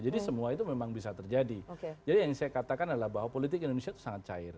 jadi yang saya katakan adalah bahwa politik indonesia itu sangat cair